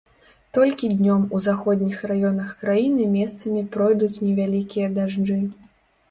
Толькі днём у заходніх раёнах краіны месцамі пройдуць невялікія дажджы.